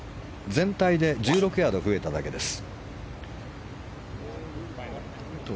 全体で１６ヤード増えただけです。